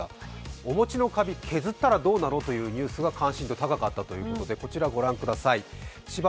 お餅のカビ、削ったらどうなのというニュースが関心度が高かったということで、こちら、ご覧ください。